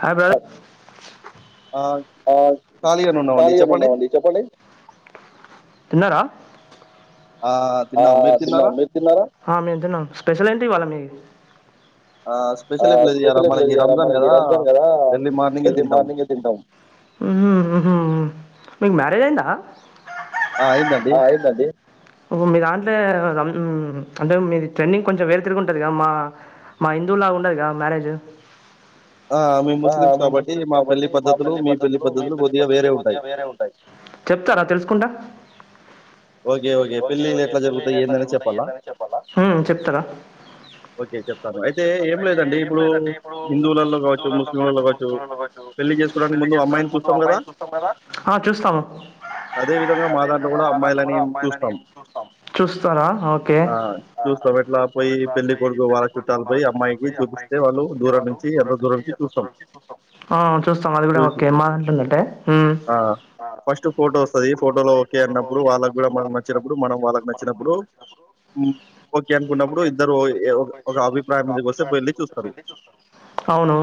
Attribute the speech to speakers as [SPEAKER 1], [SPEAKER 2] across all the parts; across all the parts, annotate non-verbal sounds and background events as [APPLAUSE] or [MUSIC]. [SPEAKER 1] Hi brother
[SPEAKER 2] ఆ ఖాళీగానే ఉన్నామండి చెప్పండి.
[SPEAKER 1] తిన్నరా
[SPEAKER 2] ఆ
[SPEAKER 1] ఆ
[SPEAKER 2] తిన్నాం.
[SPEAKER 1] ఆ
[SPEAKER 2] మీరు
[SPEAKER 1] తిన్నాం
[SPEAKER 2] తిన్నారా?
[SPEAKER 1] మీరు తిన్నారా
[SPEAKER 2] ఆ స్పెషల్ ఏం లేదు ఇయాల మనకి
[SPEAKER 1] ఉహుమ్
[SPEAKER 2] రంజాన్ గదా! ఎర్లీ మార్నింగే తింటాం.
[SPEAKER 1] ఉహుమ్ మీకు మ్యారేజ్ అయిందా ఆ ఆ అయ్యింది అండి ఓ మీ దాంట్లో హ్మ్ అంటే మీది ట్రెండింగ్ కొంచెం వేరు తిరిగా ఉంటుది కదా మా మా ఇంట్ హిందూవులాగా ఉండదుగా మ్యారేజ్
[SPEAKER 2] ఆ మేము
[SPEAKER 1] ఆ
[SPEAKER 2] ముస్లిమ్స్
[SPEAKER 1] మేము
[SPEAKER 2] కాబట్టి
[SPEAKER 1] ముస్లిమ్స్
[SPEAKER 2] మా పెళ్లి
[SPEAKER 1] కాబట్టి మా
[SPEAKER 2] పద్ధతులు,
[SPEAKER 1] పెళ్లి
[SPEAKER 2] మీ
[SPEAKER 1] పద్ధతులు మీ పెళ్లి
[SPEAKER 2] కొద్దిగా
[SPEAKER 1] పద్ధతులు
[SPEAKER 2] వేరే ఉంటాయి.
[SPEAKER 1] కొద్దిగా వేరే ఉంటాయి చెప్తారా తెలుసుకుంటా
[SPEAKER 2] ఓకే ఓకే పెళ్ళిళ్ళు ఎట్లా జరుగుతాయి ఏందని చెప్పాలా
[SPEAKER 1] మ్,
[SPEAKER 2] ఓకే చెప్తాను
[SPEAKER 1] చె
[SPEAKER 2] రైట్
[SPEAKER 1] అయితే ఏ లేదండి ఇప్పుడు
[SPEAKER 2] గావచ్చు,
[SPEAKER 1] హిందువుల
[SPEAKER 2] ముస్లింలలో
[SPEAKER 1] కాచ్చు
[SPEAKER 2] గావచ్చు
[SPEAKER 1] ముస్లింలలో కాచ్చ
[SPEAKER 2] పెళ్లి చేసుకోవడానికి
[SPEAKER 1] పెళ్
[SPEAKER 2] ముందు
[SPEAKER 1] చేసుకోనికి
[SPEAKER 2] అమ్మాయిని
[SPEAKER 1] ముందు
[SPEAKER 2] చూస్తాం గదా!
[SPEAKER 1] అమ్మాయిని చూస్తాం కదా చూా
[SPEAKER 2] అదే విధంగా మా
[SPEAKER 1] అదే వి
[SPEAKER 2] దాంట్లో గూడా
[SPEAKER 1] మేం
[SPEAKER 2] అమ్మాయిలని
[SPEAKER 1] కూడా అమ్మాయిని
[SPEAKER 2] చూస్తాం.
[SPEAKER 1] చూస్తాం చూస్తారా ఆ ఓకే ఆ
[SPEAKER 2] చూస్తాం. ఎట్లా పోయి పెళ్లి కొడుకు వాళ్ళ
[SPEAKER 1] పెళ్ళికొడుకు
[SPEAKER 2] చుట్టాలు
[SPEAKER 1] మా
[SPEAKER 2] పోయి
[SPEAKER 1] చుట్టాలబ్బాయ్
[SPEAKER 2] అమ్మాయికి
[SPEAKER 1] పోయి
[SPEAKER 2] చూపిస్తే
[SPEAKER 1] అమ్మాయికి
[SPEAKER 2] వాళ్ళు దూరం
[SPEAKER 1] చూస్తుండేవాళ్ళు
[SPEAKER 2] నుంచి
[SPEAKER 1] దూరం
[SPEAKER 2] ఎంతో
[SPEAKER 1] నుంచి ఎంత
[SPEAKER 2] చూస్తాం.
[SPEAKER 1] దూరం నుంచి చూస్తాం ఆ ఆ చూస్తాం అది కూడా
[SPEAKER 2] చూసి
[SPEAKER 1] ఓకే మా దాంట్లో అంటే హ్మ్
[SPEAKER 2] ఆ
[SPEAKER 1] ఆ ఫస్ట్ ఫోటో వస్తుంది ఫోటోలో ఓకే అన్న
[SPEAKER 2] ఇప్పుడు వాళ్ళకి కూడా మనకు నచ్చినప్పుడు మనం వాళ్ళకు నచ్చినప్పుడు హ్మ్ ఓకే అనుకున్నప్పుడు ఇద్దరు ఓ ఏ ఒక అభిప్రాయం మీదకి వస్తే వెళ్ళి చూస్తారు
[SPEAKER 1] అవును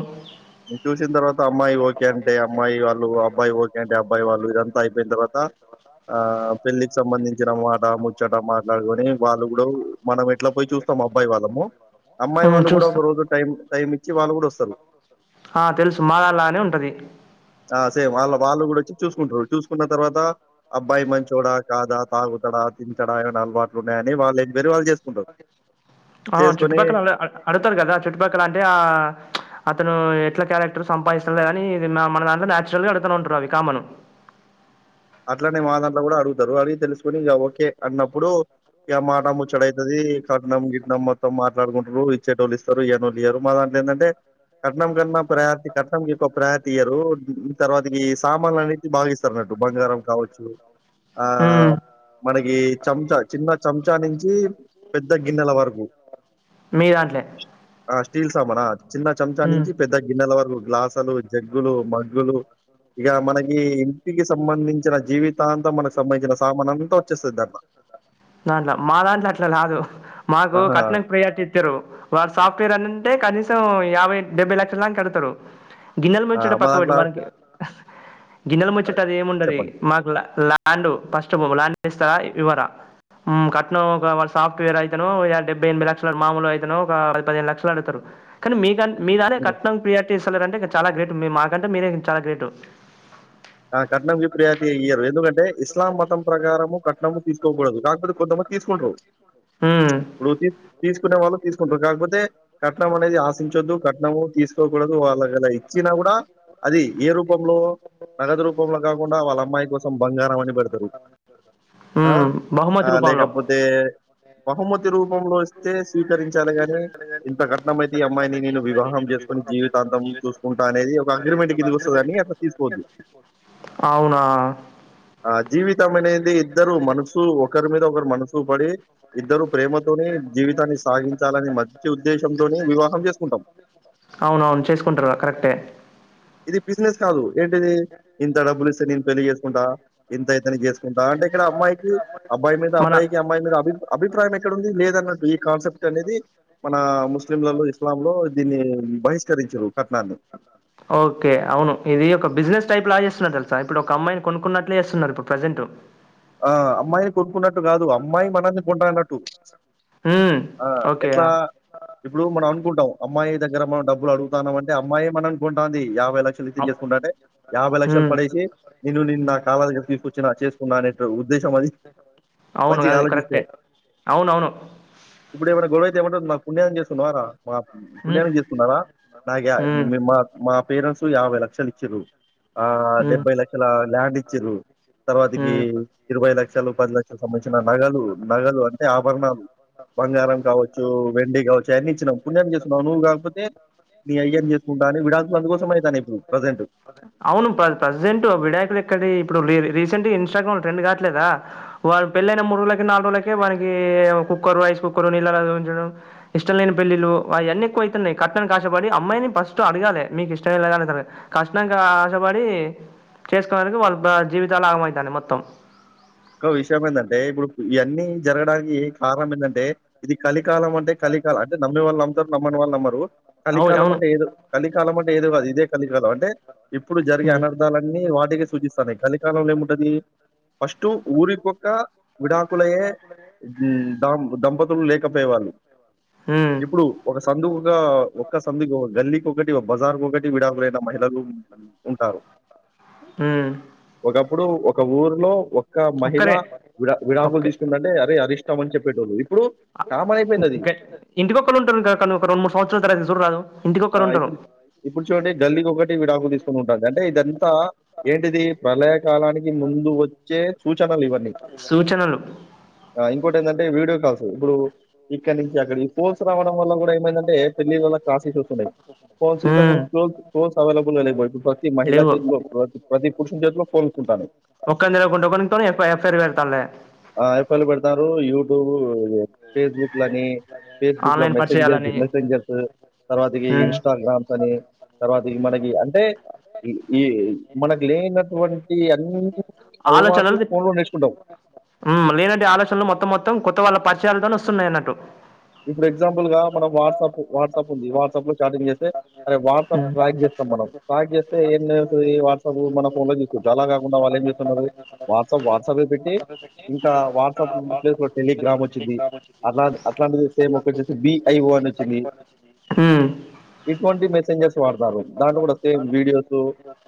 [SPEAKER 2] చూసిన తర్వాత అమ్మాయి ఓకే అంటే అమ్మాయి వాళ్ళు అబ్బాయి ఓకే అంటే అబ్బాయి వాళ్ళు ఇదంతా అయిపోయిన తర్వాత ఆ పెళ్ళికి సంబంధించిన మాట ముచ్చట మాట్లాడుకొని వాళ్ళు కూడా మనం ఎట్లా పోయి చూస్తాం అబ్బాయి వాళ్ళము అమ్మాయి
[SPEAKER 1] మ్,
[SPEAKER 2] వాళ్ళు కూడా ఒక
[SPEAKER 1] చూస్తాం
[SPEAKER 2] రోజు టైం టైం ఇచ్చి వాళ్ళు కూడా వస్తారు
[SPEAKER 1] ఆ, తెలుసు మా దాంట్లానే ఉంటుంది
[SPEAKER 2] ఆ సేమ్ వాళ్ళ వాళ్ళు వచ్చి చూసుకుంటారు చూసుకున్న తర్వాత అబ్బాయి మంచి మంచోడా కాదా తాగుతాడా తిరుగుతాడా ఏమనా అలవాట్లు ఉన్నాయని వాళ్లు ఎంక్వయిరీ చేస్తారు చేసుకొని
[SPEAKER 1] చుట్టుపక్కల వాళ్లు అడుతారు కదా చుట్టుపక్కల అంటే ఆ అతను క్యారెక్టర్ గా సంపాదదిస్తా లేదని మన మన దాంట్లో నన్చురల్ గా అడుతా ఉంటరు అవి కామన్
[SPEAKER 2] అట్లనే మా దాంట్లో కూడా అడుగుతారు అడిగి తెలుసుకొని ఇక ఓకే అన్నప్పుడు ఇక మాట ముచ్చడ అవుతుది కట్నం గిట్నం మొత్తం మాట్లాడుకుంటారు ఇచ్చేట వాళ్ళు ఇస్తారు ఏనోళు ఇయారు మా దాంట్లో ఏంటంటే కట్నం అట్లనే మా దాంట్లో కూడా అడుగుతారు ఓకే అన్నప్పుడు బంగారం కావచ్చు ఆ
[SPEAKER 1] హ్మ్.
[SPEAKER 2] మనకి చంచ నుంచి చిన్న చంచా నుంచి పెద్ద గిన్నెల వరకు
[SPEAKER 1] మీ దాంట్లే.
[SPEAKER 2] ఆ స్టీల్ సామానా చిన్న చెంచా
[SPEAKER 1] హ్మ్.
[SPEAKER 2] నుంచి పెద్ద గిన్నెల వరకు గ్లాసులు జగ్గులు మగ్గులు ఇక మన ఇంటికి సంబంధించిన జీవితాంతం మనకు సంబంధించిన సామానంతా వచ్చేస్తది దాంట్లో.
[SPEAKER 1] మా దాంట్లో అట్లా కాదు మాకు
[SPEAKER 2] ఆహా!
[SPEAKER 1] కట్నం ప్రియారిటీ ఇచ్చారు వారు సాఫ్ట్వేర్ అంటే కనీస యాభై డెబ్బై లక్ష దాకా కడతారు గిన్నెల
[SPEAKER 2] ఆ!
[SPEAKER 1] నుంచి
[SPEAKER 2] మా
[SPEAKER 1] పక్కకు పెట్టు
[SPEAKER 2] దాంట్లో
[SPEAKER 1] వాడికి
[SPEAKER 2] ఆహ్,
[SPEAKER 1] గిన్నెలు ముచ్చట అది ఏముండది
[SPEAKER 2] చెప్పండి.
[SPEAKER 1] మాకు ఆండు ఫస్ట్ అస్తా ఇవరా కట్నం ఒక వాళ్ళ సాఫ్ట్వేర్ ల్యాండ్ ల్యాండ్ ఇస్తారా ఇవ్వరా కట్నం వాడు సాఫ్ట్వేర్ అయితేనేమో డెబ్బై ఎనభై లక్షల మామూలు అయిత ఒక పది పదిహేను లక్షలు ఆడతారు కానీ మీక నీ దాంట్లో
[SPEAKER 2] హ్మ్.
[SPEAKER 1] కట్నం ప్రియాటీ మీరు చేస్తున్నారంటే ఇంకా చాలా గ్రేట్ మాకంటే మీరే చాలా గ్రేటు
[SPEAKER 2] ఆ కట్నంకి ప్రియాతి ఇయ్యరు ఎందుకంటే ఇస్లాం మతం చట్టం ప్రకారము కట్నము తీసుకోకూడదు కాకపోతే కొంతమంది తీసుకుంటారు
[SPEAKER 1] మ్,
[SPEAKER 2] ఇప్పుడు తీసుకునే వాళ్ళు తీసుకుంటారు కాకపోతే కట్నం అనేది ఆశించొద్దు కట్నము తీసుకోవద్దు తీసుకోకూడదు ఒకవేళ వాళ్ళ ఇచ్చినా కూడా అది ఏ రూపంలో బహుమతి రూపంలో కాకుండా వాళ్ళ అమ్మాయి కోసం బంగారం అని పెడతారు ఆ
[SPEAKER 1] మ్,
[SPEAKER 2] ఆ
[SPEAKER 1] బహుమతి రూపంలో
[SPEAKER 2] లేకపోతే బహుమతి రూపంలో ఇస్తే స్వీకరించాలిగాని ఇంతఘట్నం అయితే ఈ అమ్మాయిని నేను వివాహం బహుమతి రూపంలో ఇస్తే స్వీకరించాలి గాని ఇంత కట్నం అయితే ఈ అమ్మాయిని వివాహం చేసుకుంటాను జీవితాంతం చూసుకుంటా అనేది ఒక అగ్రిమెంట్ కిందికు వస్తుంది కాని అట్లా తీసుకోవద్దు
[SPEAKER 1] అవునా
[SPEAKER 2] ఆ జీవితం అనేది ఇద్దరు మనసు ఒకరి మీద ఒకరు మనసు పడి ఇద్దరు ప్రేమతోని జీవితాన్ని సాగించాలని మంచి ఉద్దేశంతోని వివాహం చేసుకుంటాం
[SPEAKER 1] అవును అవును చేసుకుంటారు కరెక్టే
[SPEAKER 2] ఇది బిజినెస్ కాదు ఏంటిది ఇంత డబ్బులు ఇస్తే నేను పెళ్లిి చేసుకుంటా ఇంత అయితే ఇది బిజినెస్ కాదు ఏంటిది ఇంత డబ్బులిస్తే పెళ్లి చేసుకుంటా అంటే ఇక్కడ అమ్మాయికి అబ్బాయి మీద
[SPEAKER 1] మన
[SPEAKER 2] అబ్బాయికి అమ్మాయి మీద అభి అభిప్రాయం ఎక్కడ ఉంది ఈ కాన్సెప్ట్ అనేది మన ముస్లింలలో ఇస్లాం లో దీన్ని బహిష్కరించరు కట్నాన్ని
[SPEAKER 1] ఓకే అవును ఇది ఒక బిజినెస్ టైప్ లాగా ఇది ఓకే అవును ఒక బిజినెస్ టైపులో చేస్తున్నారు తెలుసా ఇప్పుడు ఒక అమ్మాయిని కొనుక్కున్నట్లే చేస్తున్నారు ఇప్పుడు ప్రజెంట్
[SPEAKER 2] ఆ అమ్మాయి కొనుక్కున్నట్టు అట్లా కాదు అమ్మాయి మనల్ని కొనుక్కున్నట్టు ఆ
[SPEAKER 1] ఓకే
[SPEAKER 2] ఎట్లా ఇప్పుడు మనం అనుకుంటాం అమ్మాయి దగ్గర మనండబులు అడుగుతాం అంట అమాయి మననుకుంటాంది ై లక్షలు
[SPEAKER 1] అవ్-
[SPEAKER 2] చేసుకుంటాడే యాభై లక్షలు
[SPEAKER 1] మ్.
[SPEAKER 2] పడేసి నేను నిన్న నా కా వ చేసుకున్నాను
[SPEAKER 1] అవును అది
[SPEAKER 2] ఆలోచిస్తే
[SPEAKER 1] కరెక్టే అవునువును
[SPEAKER 2] ఇ గోడవైతేమంట మాకు పుణం చేస్తున్నారా మా
[SPEAKER 1] హ్మ్
[SPEAKER 2] పుణ్యానికి చేస్తున్నారా నాకు
[SPEAKER 1] హ్మ్
[SPEAKER 2] మా మా పేరెంట్స్ యాై క్షలులి ఇచ్చు ఆ
[SPEAKER 1] హ్మ్
[SPEAKER 2] డెబ్బై లక్షల ల్యాండ్ ఇచ్చారు తర్వాతికి
[SPEAKER 1] హ్మ్
[SPEAKER 2] ఇరవై లక్షలు పది లక్షలు సంబంధించిన నగలు నగలు అంటే ఆభరణాలు బంగారం కావచ్చు వెండి కావచ్చు అవీ ఇచ్చినాం పుణ్యాన్ని చేస్తున్నావు నువ్వు కాకపోతే నీ అయ్యం చేసుకుంటా అ విడాల్కు అందుకోసమ అవుతాను ఇప్పుడు ప్రజెంట్
[SPEAKER 1] అవును ప్రెసెంట్ విడాయకులు ఎక్కడి ఇప్పుడు రీసెంట్ ఇస్ాగ్రామ్ లో ట్రెండ్ కావట్లేదా వాారుళ పెళ్ళైన మూడు రోజులకి నాలుగు రోజులకేకి కుక్కర్ రైస్ కుక్కరు నీళ్ళ ఉంచడం ఇష్టం లేని పెళ్ిళ్ళలు అవన్నీక్కువ అవుతున్నాయి కట్టని కష్టపడి అమ్మాయిని ఫస్ట్ అడగాలి మీకు ఇష్టమగాలి కష్ట ఆశపడి చేసుకోడానికి వాళ్ళ జీవితాలు ఆగమవుతాని మొత్తం
[SPEAKER 2] ఒక విషయం ఏంటంటే ఇప్పుడు ఇవన్నీ జరగడానికి కారణం ఏంటంటే ఇది కలికాలం అంటే కలికాలం అంటే నమ్మే వాళ్ళు అమ్ముతారు నమ్మని వాళ్ళు అమ్మరు
[SPEAKER 1] అవు
[SPEAKER 2] కలికాలం
[SPEAKER 1] అవును.
[SPEAKER 2] అంటే ఏదో కలికాలం అంటే ఏదో కాదు ఇదే కలి కాదు అంటే ఇప్పుడు జరిగే
[SPEAKER 1] హ్మ్.
[SPEAKER 2] అనర్థాలన్నీ వాటికిే సూచిస్తాన్నాయి కలికాలంలో ఏముంటది అస్ే ఇటు ఊరికిక విడాకులయే దం దంపత అప్పుడప్పుడు లేకపోయేవాళ్ళు
[SPEAKER 1] హ్మ్.
[SPEAKER 2] ఇప్పుడు ఒక సందువు గా ఒక్క సందు ఒక గల్లీకి ఒకటి ఒక బజార్ కు ఒకటి విడాకులు అయిన మహిళలు ఉంటారు
[SPEAKER 1] హ్మ్.
[SPEAKER 2] ఒకప్పుడు ఒక ఊర్లో ఒక ఒక మహిళా
[SPEAKER 1] ఒక్కరే.
[SPEAKER 2] వి విడాకులు తీసుకుంటంటే అరే అది ఇష్టం అని చెప్పటోలు
[SPEAKER 1] ఇంటికొరు ఉంటారు క కానీ ఒక రెండు మూడు సంవత్సరాల తరవాత సురాదు రాదు
[SPEAKER 2] ఆ!
[SPEAKER 1] ఇంటికొరు ఉంటారు
[SPEAKER 2] ఇప్పుడు ఇప్పుడు చూడండి గల్లీకి ఒకటి విడాకులు తీసుకొని ఉంటుంది. అంటే ఇదంతా ఏంటిది ప్రళయ కాలానికి ముందు వ
[SPEAKER 1] సూచనలు
[SPEAKER 2] ఇంకోటి ఏంటంటే వీడియో కాల్స్ ఇప్పుడు ఇక్కడ ను అక్కడ ఈ ఫోన్స్ రావడం వల్ల కూడా ఏమైందంటే పెళ్లి వల్ల క్లాస్ ఇష్యూస్ వస్తు ఉన్నాయి ఫోన్స్ ఇంత
[SPEAKER 1] ఉమ్
[SPEAKER 2] ముందు ఫోన్స్ అవైలబుల్ గా లేవు ఇప్పుడు ప్రతి మహిళా
[SPEAKER 1] లేవు
[SPEAKER 2] చేతిలో ప్రతి ప్రతి పురుషు చేతిలో ఫోన్స్ ఉంటాన్నాయి
[SPEAKER 1] ఒక్కని తెలవకుంట ఒకనితోనే ఎఫ్ ఎఫ్ఐఆర్ పెడతాల్లే
[SPEAKER 2] ఆ ఐ ఫెర్ లు పెడతన్నారు యూట్యూబ్ [INAUDIBLE] ఫేస్బుక్ లని ఫేస్బుక్ లో
[SPEAKER 1] ఆన్లైన్
[SPEAKER 2] మెసెంజర్స్
[SPEAKER 1] పరిచయాలని
[SPEAKER 2] మెసెంజర్స్ తర్వాతికి
[SPEAKER 1] ఉమ్
[SPEAKER 2] ఇన్స్టాగ్రామ్స్ అని తర్వాత మనకి అంటే ఈ మనకు లేనటువంటి అన్నీ
[SPEAKER 1] ఆలోచనలు హు లేదంటే ఆలోచనలు మొత్తం మొత్తం కొత్త వాళ్ళ పరిచాలతోని స్తున్నాయిన్నట్టు
[SPEAKER 2] ఇప్పుడు ఎగ్జాంపుల్ గా మనం వాట్సాప్ వాట్సాప్ ఉంది వాట్సాప్ లో చాటింగ్ చేస్తే అరే వాట్సాప్
[SPEAKER 1] ఉమ్
[SPEAKER 2] ట్రాక్ చేస్తాం మనం ట్రాక్ చేస్తే ఏం వాట్సాప్ మన ఫోన్ లో తీసుకోవచ్చు అలా కాకుండా వాళ్ళు ఏం చేస్తున్నారు వాట్సాప్ వాట్సాప్ పెట్టి ఇంకా వాట్సాప్ లో టెలిగ్రామ్ వచ్చింది అట్లా అట్లాంటిది సేమ్ ఒకచ్చేసి బిఐఓ అని వచ్చింది
[SPEAKER 1] ఉమ్
[SPEAKER 2] ఇటువంటి మెసెంజర్స్ వాడతారు దాంట్లో కూడా same videos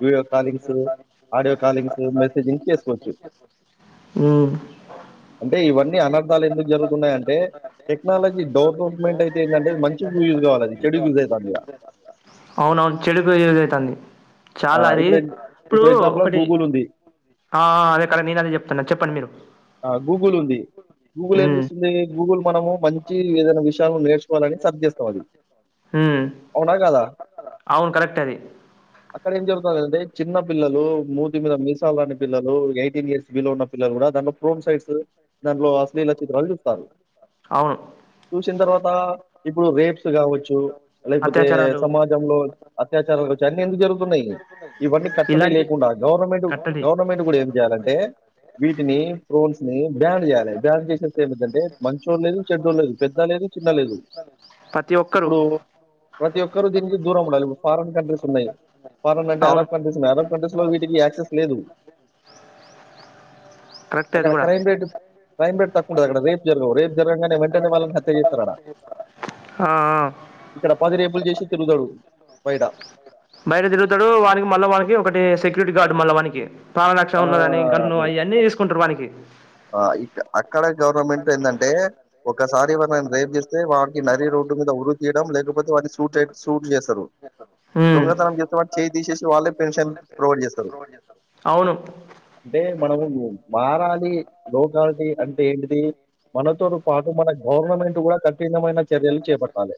[SPEAKER 2] video callings audio callings messaging చేసుకోవచ్చు
[SPEAKER 1] హు
[SPEAKER 2] అంటే ఇవన్నీ అనర్థాలు ఎందుకు జరుగుతున్నాయి అంటే టే టెక్నాలజీ డెవలప్మెంట్ అయితే ఏంటి అంటే మంచి యూస్ కావాలిది చెడు యూస్ అవుతుంది ఈడ
[SPEAKER 1] అవున అవును చెడుకు యూస్ అవుతుంది
[SPEAKER 2] ఆ!
[SPEAKER 1] చాలా అది
[SPEAKER 2] ఇప్పుడు ఎగ్
[SPEAKER 1] ఇప్పుడు
[SPEAKER 2] ఎగ్జాంపుల్‌గా
[SPEAKER 1] ఒకటి
[SPEAKER 2] గూగుల్ ఉంది.
[SPEAKER 1] ఆ అదే కదా నేను అదే చెప్తున్నా చెప్పండి మీరు
[SPEAKER 2] ఆ! గూగుల్ ఉంది. గూగుల్ ఏం
[SPEAKER 1] ఉమ్
[SPEAKER 2] చేస్తుంది గూగుల్ మనము మంచి ఏదైనా విషయాలు నేర్చుకోవాలని సర్దిచేస్తాం అది
[SPEAKER 1] ఉమ్
[SPEAKER 2] అవునా కదా
[SPEAKER 1] అవును కరెక్ట్ అది
[SPEAKER 2] ఇక్కడ ఏం జరుగుతంది అంటే చిన్న పిల్లలు మూతి మీద మీసాలు రాని పిల్లలు ఎయిటీన్ ఇయర్స్ బిలో ఉన్న పిల్లలు కూడా దాంట్లో ప్రోమ్ సైడ్స్ దాంట్లో అశ్లీలీలా చిత్రాలు చూస్తారు
[SPEAKER 1] అవును
[SPEAKER 2] వచ్చిన తర్వాత ఇప్పుడు రేప్స్ కావచ్చు లేకపోతే
[SPEAKER 1] అత్యాచారాలు
[SPEAKER 2] సమాజంలో అత్యాచారాలు కావచ్చు అన్నిీ ఎందుకు జరుగుతున్నాయి ఇవన్నీ కట్టడి
[SPEAKER 1] ఇలాంటి
[SPEAKER 2] లేకుండా గవర్నమెంట్
[SPEAKER 1] కట్టడి
[SPEAKER 2] గవర్నమెంట్ కూడా ఏం చేయాలంటే వీటిని ఫ్రోన్స్ ని బ్యాన్ చేయాలి బ్యాన్ చేసేస్తే ఏమింటంటే మంచో ల్ లేదు చెడ్డోడు లేదు, పెద్ద లేదు, చిన్న లేదు.
[SPEAKER 1] [UNINTELLIGIBLE] ఒక్కరు
[SPEAKER 2] ఇప్పుడు ప్రతి ఒక్కూ దీనికి దూరం ఉండాలి ఇప్పుడు ఫారిన్ కంట్రీస్ ఉన్నాయి ఫారిన్ అంటే
[SPEAKER 1] అవును
[SPEAKER 2] అరబ్ కంట్రీస్ ఉన్నాయి అరబ్ కంట్రీస్ లో వీటికి యాక్సెస్ లేదు
[SPEAKER 1] కరెక్టే అది
[SPEAKER 2] అక్కడ
[SPEAKER 1] కూడా
[SPEAKER 2] క్రైమ్ రేట్ క్రైమ్ రేట్ తక్కువ ఉండదు అక్కడ రే జరగవు రే జరగనే వెంటనే వాళను హత్య చేస్తర డా
[SPEAKER 1] ఆ ఆ
[SPEAKER 2] ఇక్కడ పదిరేపులు చేసి తరుగుత్తరు బయట
[SPEAKER 1] బయట తిరుగుతాడు వాని కి మళ్ళా వాని కి ఒకటి సెక్యూరిటీ గార్డు మళ్ళా వాని కి
[SPEAKER 2] ఆ అదే
[SPEAKER 1] వానికి
[SPEAKER 2] అక్కడ గవర్నమెంట్ ఏందన్టే ఒకసారి ఏమన్నా రేపు చేస్తే వాారికి నరిీ రోడ్డు మీద ఉరి తీ లేకపోతే వా సూట్ సూట్ చేస్ తరు
[SPEAKER 1] ఉమ్
[SPEAKER 2] దొంగతనం చేస్తే వాని చేయి తీసేసి వాళ్ళే పెన్షన్ ప్రొవైడ్ చేస్తారు
[SPEAKER 1] అవును
[SPEAKER 2] అంటే మనము మారాలి లీ లో కాలిటీ అన్ టె ఏంటిది మనతో పాటు మన గవర్నమెంట్ గూడా కఠినమైన చర్యలు చేపట్టాలె.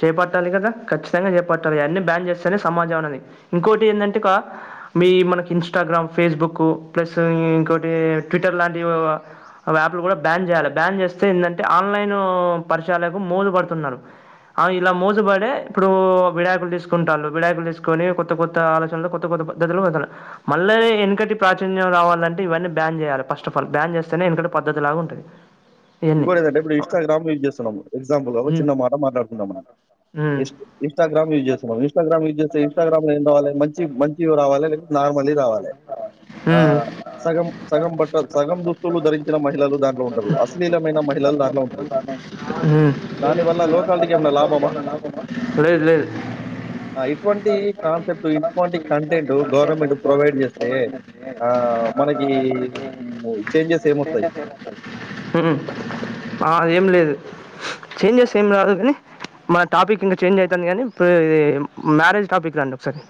[SPEAKER 1] చేపట్టాలి కదా ఖచ్చితంగా చేపట్టాలి అన్ని బ్యాన్ చేస్తేనే సమాజం అన్నది ఇంకొటి ఏందంటే క మీ మనకు ఇంస్టాగ్రామ్, ఫేస్బుకు ప్లసు ఇంకోటి ట్విట్టర్ లాంటివి అవి యాప్లు కూడా బ్యాన్ చేయాలి బ్యాన్ చేస్తే ఏందంటే ఆన్లైన్ పరిచయాలకు మోజు పడుతున్నారు ఇలా మోజు పడే ఇప్పుడు విడాకులు తీసుకుంటలు విడాకులు తీసుకొని కొత్త కొత్త ఆలోచనలు కొత్త కొత్త పద్ధతులు పె మళ్ళీ ఎనకటి ప్రాచున్యం రావాలంటే ఇవన్నీ బ్యాన్ చేయాలి ఫస్ట్ ఆఫ్ ఆల్ బ్యాన్ చేస్తేనే వెనకటి పద్ధతి లాగా ఉంటది ఉమ్
[SPEAKER 2] టె ఇప్పుడు ఇస్టాగ్రామ్ యూజ్ చేస్తన్నాం ఎగ్జాంపులు
[SPEAKER 1] హ్మ్
[SPEAKER 2] చిన్న మాట మాట్లాడుతున్నాం మనం
[SPEAKER 1] హ్మ్
[SPEAKER 2] ఇస్టాగ్రామ్ యూస్ చేస్తున్నాం ఇస్టాగ్రామ్ ఇంస్టాగ్రామ్ లో ఏం కావాలే మంచి మంచి రావాలే నార్మల్ రావాలి ఆ
[SPEAKER 1] హ్మ్
[SPEAKER 2] సగం సగం బట్ట సగం దుస్తులు ధరించిన మహిళలు దాంట్లో ఉంటారు అస్సల్
[SPEAKER 1] [UNINTELLIGIBLE] ఉమ్
[SPEAKER 2] దానివల్ల లోకాలకి ఏమైనా లాభమా
[SPEAKER 1] [UNINTELLIGIBLE] లేదు లేదు
[SPEAKER 2] ఆ, ఇటువంటి కాన్సెప్ట్ ఇటువంటి కంటెంట్ గవర్నమెంట్ ప్రొవైడ్ చేస్తే ఆ మనకి చేంజెస్ ఏమొస్తాయి
[SPEAKER 1] ఉమ్ ఆ ఏం లేదు చేంజెస్ ఏం రాదు కానీ మన టాపిక్ ఇంకా చేంజ్ అయితంది కానీ ఇప్పుడు ఇది మ్యారేజ్ టాపిక్ రండి ఒకసారి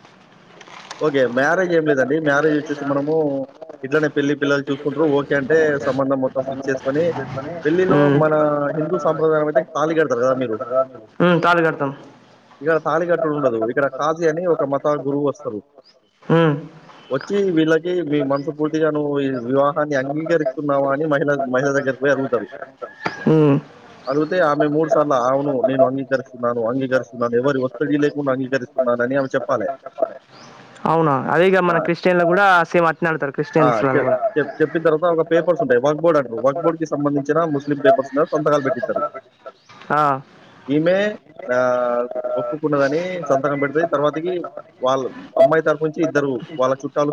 [SPEAKER 2] ఓకే మ్యారేజ్ ఏం లేదండి మ్యారేజ్ వచ్చేసి మనము ఇట్లనే పెళ్ళి పిల్లలు చూసుకుంటు ఓకే అంటే సంబంధం మొత్తం ఫిక్స్ చేసుకోని పెళ్ళిలో
[SPEAKER 1] మ్మ్.
[SPEAKER 2] మన హిందూ సాంప్రదాయం అయితే తాళిగడతారు కదా మీరు
[SPEAKER 1] మ్మ్, తాళి కడతాం
[SPEAKER 2] ఇక్కడ తాళిగట్టడం ఉండదు ఇక్కడ కాజీ అని ఒక మతాల గురువు వస్తారు
[SPEAKER 1] మ్మ్.
[SPEAKER 2] వచ్చి వీళ్ళకి మీ మనసు పూర్తిగా నువ్వు ఈ వివాహాన్ని అంగీకరిస్తున్నావా అని మహిళ మహిళ దగ్గరకి పోయి అడుగుతారు
[SPEAKER 1] మ్మ్.
[SPEAKER 2] అడిగితే ఆమె మూడు సార్లు అవును నేను అంగీకరిస్తున్నాను అంగీకరిస్తున్నాను ఎవరి ఒత్తిడి లేదు అంగీకరిస్తున్నాని ఆమె చెప్పాలే
[SPEAKER 1] అవునా అదే ఇక
[SPEAKER 2] ఆ
[SPEAKER 1] మన క్రిస్టియన్లో కూడా సేమ్ అట్నే ఆడతారు
[SPEAKER 2] ఆ
[SPEAKER 1] క్రిస్టియన్స్లలో కూడా
[SPEAKER 2] చెప్ చెప్పిన తర్వాత ఒక పేపర్స్ ఉంటాయి వక్ బోర్డ్ అంటారు వక్ బోర్డ్ కి సంబంధించిన ముస్లిం పేపర్స్ సొంతకాలు పెట్టిస్తారు
[SPEAKER 1] ఆ.
[SPEAKER 2] ఈమె ఆ ఒప్పుకున్న సంతకం పెడితే తర్వాతకి వాళ్ళు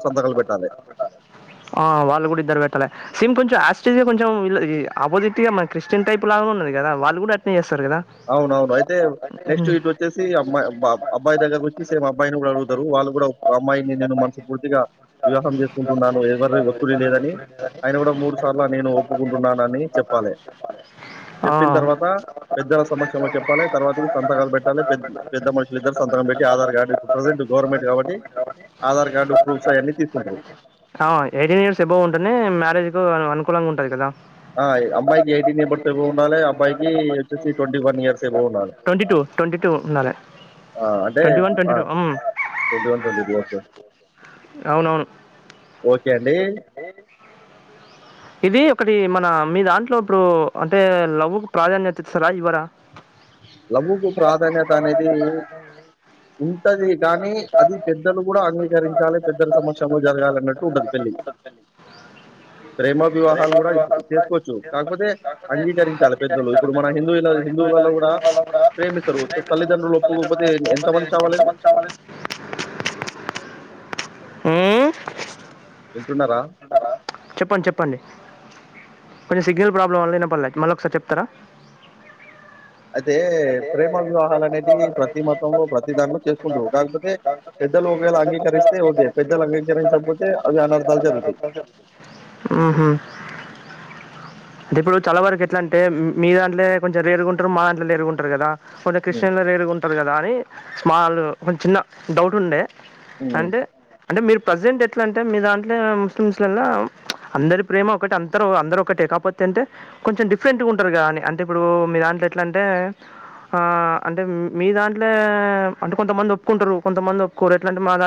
[SPEAKER 2] సంతకాలు పెట్టాలే.
[SPEAKER 1] ఆ వాళ్ళు కూడా ఇద్దరు పెట్టాలే సేమ్ కొంచెం యాస్ చే కొంచెం విళ్ళది ఆపోజిట్గా మన క్రిస్టియన్ టైప్ లాగా ఉన్నది. కదా వాళ్ళుగూడా అట్లే చేస్
[SPEAKER 2] అవును అవును అయితే నెక్స్ట్ ఇటు వచ్చేసి అమ్మాయి బ అబ్బాయి దగ్గరకు వచ్చి సేమ్ అబ్బాయిని కూడా అడుగుతారు. వాళ్ళు కూడా అమ్మాయిని నేను మనస్ఫూర్తిగా వివాహం చేసుకుంటున్నాను. ఎవరి ఒత్తిడి లేదని ఆయన కూడా మూడు సార్లు నేను ఒప్పుకుంటున్నాను. అని చెప్పాలి
[SPEAKER 1] ఆ.
[SPEAKER 2] చెప్పిన తర్వాత అందరి సమక్షంలో చెప్పాలి. తర్వాత సంతకాలు పెట్టాలి పెద్ద మనుషులిద్దరు సంతకం పెట్టి ఆధార్ కార్డ్ ఇప్పుడు ప్రెజెంట్ గవర్నమెంట్ కాబట్టి ఆధార్ కార్డ్ ప్రూఫ్స్ అయన్నీ తీసుకుంటారు.
[SPEAKER 1] ఎయిటీన్ ఇయర్స్ ఎబో ఉంటనే మ్యారేజ్ కు అను అను కులంగా ఉంటది కదా.
[SPEAKER 2] ఆ! అమ్మాయికి ఎబర్స్ ఎబోవ్ ఉండాలె. అబ్బాయికి వచ్చేసి ఇయర్స్ ఎబోవ్ ఉండాలె.
[SPEAKER 1] ట్వంటీ టూ ట్వంటీ టూ ఉండాలే
[SPEAKER 2] ఆ అంటే ఆ twenty one twenty two okay
[SPEAKER 1] అవునవును.
[SPEAKER 2] ఓకే అండి.
[SPEAKER 1] ఇది ఒకటి మన మీ దాంట్లో ఇప్పుడు అంటే లవ్వుకు ప్రాధాన్యత ఇస్తారా ఇవ్వరా?
[SPEAKER 2] లవ్వుకు ప్రాధాన్యత అనేది ఉంటది కానీ అది పెద్దలు కూడా అంగీకరించాలి. పెద్దల సమక్షంలో జరగాలి అన్నట్టు ఉంటది. పెళ్ళి ప్రేమ వివాహాలు కూడా చేసుకోవచ్చు. కాకపోతే అంగీకరించాలి. పెద్దలు ఇప్పుడు మన హిందువుల హిందువులలో కూడా ప్రేమిత్తరు తల్లిదండ్రులు
[SPEAKER 1] తల్లితండ్రిలు ఇబ్బంది
[SPEAKER 2] ఎంతమంది
[SPEAKER 1] ఎంత
[SPEAKER 2] చావలేదు?
[SPEAKER 1] మంది చావాలి ఊమ్
[SPEAKER 2] వింటున్నారా?
[SPEAKER 1] చెప్పలా కొంచెం సిగ్నల్ ప్రాబ్లం వల్ల విన పర్లే మళ్ళ ఒకసారి చెప్తారా?
[SPEAKER 2] అయితే ప్రేమ వివాహాలనే అది ప్రతి మతము ప్రతి దానీలో చేసుకుంట్రు. కాకపోతే పెద్దలు ఒకవేళ అంగీకరిస్తే ఓకే పెద్దలు అంగీకరించకపోతే అవి అనర్థాలు జరుగుతాయి.
[SPEAKER 1] హుహు. అంటే ఇప్పుడు చాలా వరకు ఎట్లా అంటే మీ దాంట్లో కొంచెం రేరుగుంటారు. మా దాంట్లో రేరుగుంటారు కదా పోనే కిష్
[SPEAKER 2] హ్మ్.
[SPEAKER 1] టెల్ల రేర్గు ఉంటారు కదా అని స్మాల్ కొంచ్చం చిన్న డౌట్ ఉండే
[SPEAKER 2] హ్మ్.
[SPEAKER 1] అంటే అంటే మీరు ప్రజెంట్ ఏట్ ఎట్ల అంటే మీ దాంట్లో ముస్లిమ్స్ లల్ల అందరి ప్రేమ ఒకటే అంతరు అందరూ ఒకటే కాపోతే అంటే కొంచెం డిఫరెంట్గా ఉంటారు. కదా అని అంటే ఇప్పుడు మీ దాంట్లో ఎట్లా అంటే ఆ అంటే మీ దాంట్లా అంటే కొంతమంది ఒప్పుకుంటారు. కొంతమంది ఒప్పుకోరు ఎట్లాంటే మా దాన్